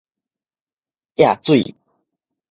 搤水